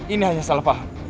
ini hanya salah faham